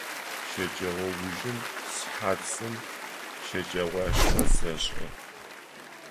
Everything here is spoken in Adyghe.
Щэджэгъоужым сыхьат зым щэджагъошхэ сэшӏы.